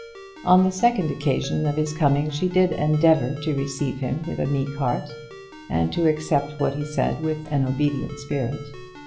On the second occasion of his coming she did endeavour to receive him with a meek heart, and to accept what he said with an obedient spirit.